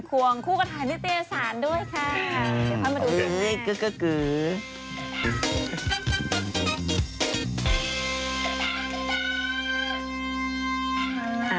ควงคู่กระทายด้วยที่อาสารด้วยค่ะ